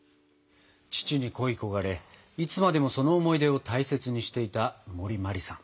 父に恋い焦がれいつまでもその思い出を大切にしていた森茉莉さん。